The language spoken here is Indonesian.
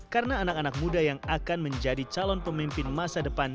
karena anak anak muda yang akan menjadi calon pemimpin masa depan